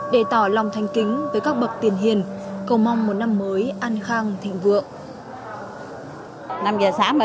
để tỏ lòng thành kính với các bậc tiền hiền cầu mong một năm mới an khang thịnh vượng năm giờ sáng mà